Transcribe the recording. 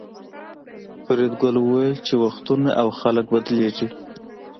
فریدګل وویل چې وختونه او خلک بدلیږي